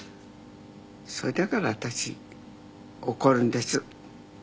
それだから私怒るんです。